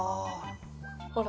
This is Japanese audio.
ほら！